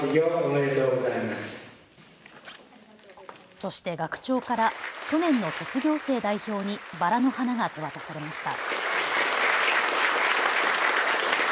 そして学長から去年の卒業生代表にばらの花が手渡されました。